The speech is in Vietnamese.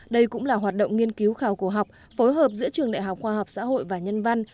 đây cũng là hoạt động nghiên cứu khảo cổ học phối hợp giữa trường đại học khoa học xã hội và nhân văn